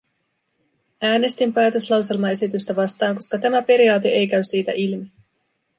Äänestin päätöslauselmaesitystä vastaan, koska tämä periaate ei käy siitä ilmi.